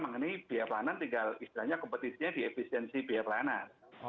tinggal istilahnya kompetisinya di efisiensi biaya pelayanan